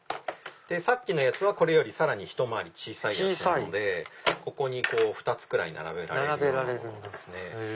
さっきのやつはこれよりさらにひと回り小さいやつなのでここに２つくらい並べられるようなものですね。